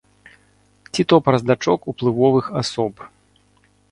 Ці то праз дачок уплывовых асоб.